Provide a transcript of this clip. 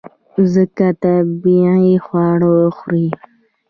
ځکه طبیعي خواړه خوري.